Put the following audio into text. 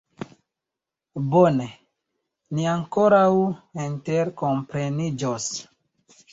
Bone, ni ankoraŭ interkompreniĝos.